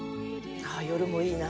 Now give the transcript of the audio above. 夜もいいな。